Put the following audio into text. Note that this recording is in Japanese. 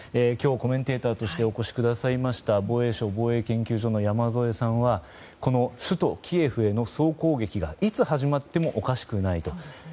今日、コメンテーターとしてお越しくださいました防衛省防衛研究所の山添さんはこの首都キエフへの総攻撃がいつ始まってもおかしくないと。